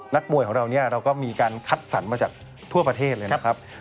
นักมวยของเราเนี่ยเราก็มีการคัดสรรมาจากทั่วประเทศเลยนะครับ